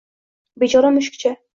Bechora mushukcha